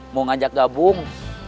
mau ngajak gabung